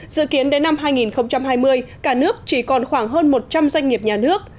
dự kiến đến năm hai nghìn hai mươi cả nước chỉ còn khoảng hơn một trăm linh doanh nghiệp nhà nước